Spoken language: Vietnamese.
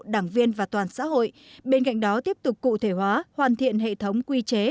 đảng viên và toàn xã hội bên cạnh đó tiếp tục cụ thể hóa hoàn thiện hệ thống quy chế